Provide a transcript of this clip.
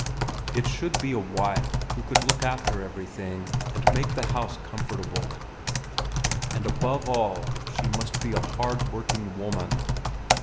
It should be a wife who could look after everything and make the house comfortable; and above all she must be a hard working woman.